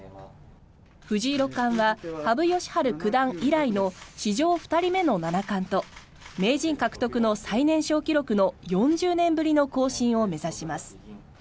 藤井六冠は、羽生善治九段以来の史上２人目の七冠と名人獲得の最年少記録の４０年ぶりの更新を目指します。